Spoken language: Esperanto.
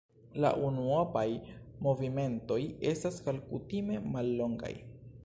La unuopaj movimentoj estas malkutime mallongaj.